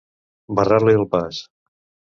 Barrar-li el pas.